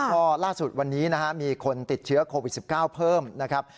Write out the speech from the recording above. ก็ล่าสุดวันนี้นะฮะมีคนติดเชื้อโควิด๑๙เพิ่มนะครับ